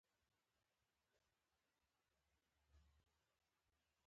یوه تاجک هم په کې یو سینټ وانخیست.